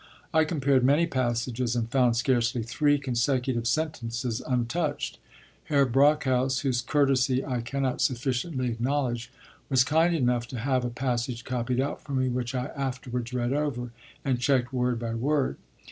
I compared many passages, and found scarcely three consecutive sentences untouched. Herr Brockhaus (whose courtesy I cannot sufficiently acknowledge) was kind enough to have a passage copied out for me, which I afterwards read over, and checked word by word.